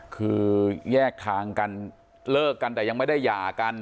คือแยกทางกันเลิกกันแต่ยังไม่ได้หย่ากัน